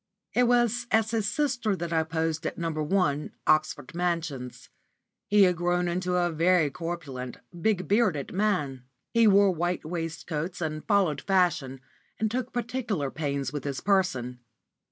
It was as his sister that I posed at No. 1, Oxford Mansions. He had grown into a very corpulent, big bearded man. He wore white waistcoats, and followed fashion, and took particular pains with his person.